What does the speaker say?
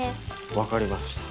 分かりました。